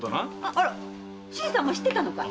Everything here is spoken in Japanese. あら新さんも知ってたのかい。